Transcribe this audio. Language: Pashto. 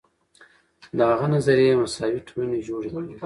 د هغه نظریې مساوي ټولنې جوړې کړې.